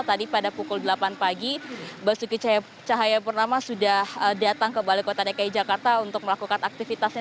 tadi pada pukul delapan pagi basuki cahayapurnama sudah datang ke balai kota dki jakarta untuk melakukan aktivitasnya